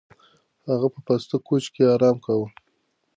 هغه په پاسته کوچ کې ارام کاوه.